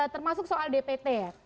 termasuk soal dpt ya